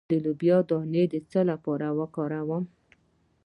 د لوبیا دانه د څه لپاره وکاروم؟